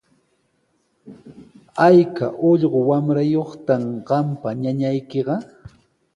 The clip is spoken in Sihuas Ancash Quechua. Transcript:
¿Ayka ullqu wamrayuqtaq qampa ñañaykiqa?